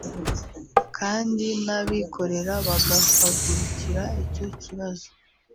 kandi n’abikorera bagahagurikira icyo kibazo